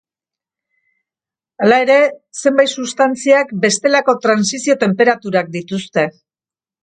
Hala ere, zenbait substantziak bestelako trantsizio-tenperaturak dituzte.